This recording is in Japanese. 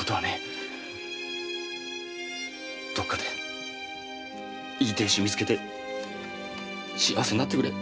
どこかでいい亭主をみつけて幸せになってくれ。